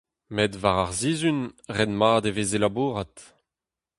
Met war ar sizhun, ret mat e veze labourat !